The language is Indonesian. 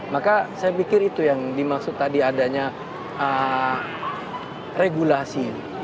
maka saya pikir itu yang dimaksud tadi adanya regulasi